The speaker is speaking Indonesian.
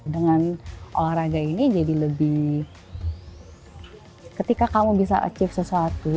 dengan olahraga ini jadi lebih ketika kamu bisa achieve sesuatu